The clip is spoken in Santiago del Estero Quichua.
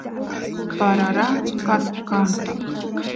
parara kaskanta